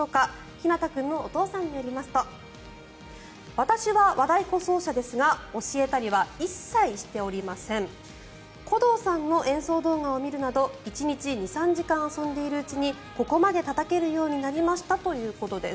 ひなた君のお父さんによりますと私は和太鼓奏者ですが教えたりは一切しておりません鼓童さんの演奏動画を見るなど１日２３時間遊んでいるうちにここまでたたけるようになりましたということです。